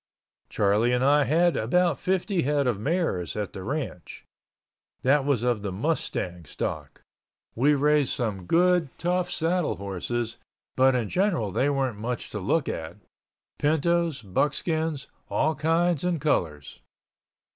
Charlie and I had about fifty head of mares at the ranch. That was of the Mustang Stock. We raised some good tough saddle horses but in general they weren't much to look at—pintos, buckskins, all kinds and colors.